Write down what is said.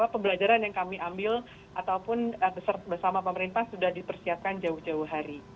pembelajaran yang kami ambil ataupun bersama pemerintah sudah dipersiapkan jauh jauh hari